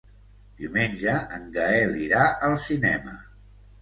Diumenge en Gaël irà al cinema.